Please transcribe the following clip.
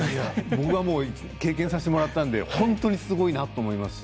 僕は経験させてもらったんで本当にすごいなと思いますし。